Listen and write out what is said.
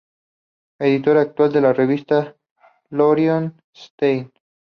El editor actual de la revista es Lorin Stein.